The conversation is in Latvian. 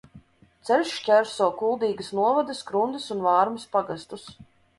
Ceļš šķērso Kuldīgas novada Skrundas un Vārmes pagastus.